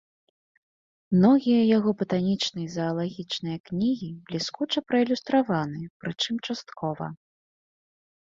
Многія яго батанічныя і заалагічныя кнігі бліскуча праілюстраваны, прычым часткова.